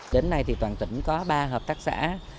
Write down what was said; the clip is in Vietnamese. đến nay thì toàn tỉnh có ba hợp tác xã